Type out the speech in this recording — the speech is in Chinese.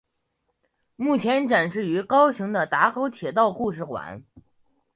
目前展示于高雄的打狗铁道故事馆。